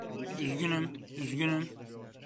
Üzgünüm, üzgünüm.